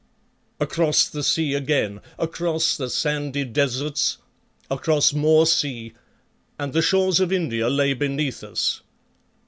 "Across the sea again, across the sandy deserts, across more sea, and the shores of India lay beneath us.